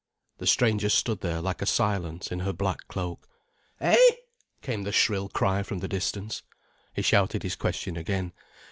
The stranger stood there like a silence in her black cloak. "Eh?" came the shrill cry from the distance. He shouted his question again.